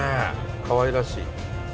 かわいらしい。